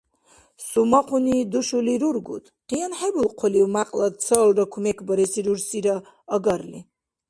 Сумахъунира душули рургуд? КъиянхӀебулхъулив, мякьлар цалра кумекбареси рурсилра агарли?